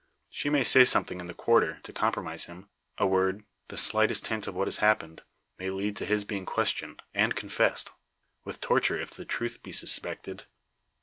She may say something in the "quarter" to compromise him. A word the slightest hint of what has happened may lead to his being questioned, and confessed; with torture, if the truth be suspected.